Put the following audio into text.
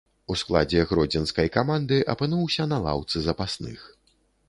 У складзе гродзенскай каманды апынуўся на лаўцы запасных.